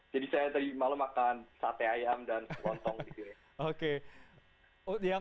jadi saya tadi malam makan sate ayam dan kontong di sini